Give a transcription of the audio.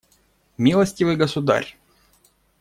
Милостивый государь!